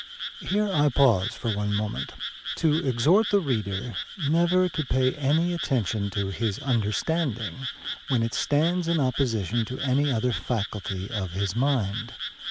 Here I pause for one moment, to exhort the reader never to pay any attention to his understanding when it stands in opposition to any other faculty of his mind.